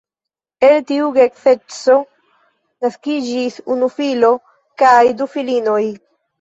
El tiu geedzeco naskiĝis unu filo kaj du filinoj.